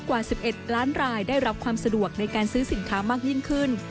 ก็ได้รับความสะดวกในการซื้อสินค้ามากยิ่งขึ้น